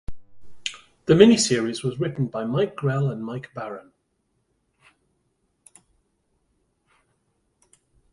The mini-series was written by Mike Grell and Mike Baron.